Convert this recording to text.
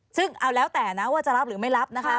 ซึ่งเอาแล้วแต่นะว่าจะรับหรือไม่รับนะคะ